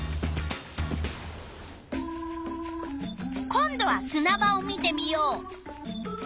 今度はすな場を見てみよう。